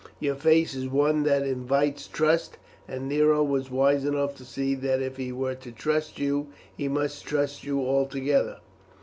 Your face is one that invites trust, and Nero was wise enough to see that if he were to trust you he must trust you altogether.